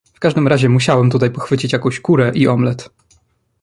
"W każdym razie musiałem tutaj pochwycić jaką kurę i omlet."